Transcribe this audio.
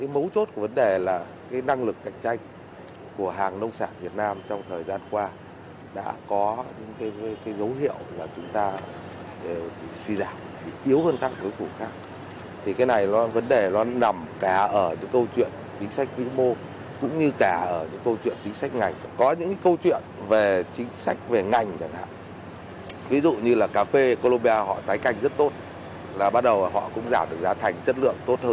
mấu chốt của vấn đề là cái năng lực cạnh tranh của hàng nông sản việt nam trong thời gian qua đã có những cái dấu hiệu là chúng ta bị suy giảm bị yếu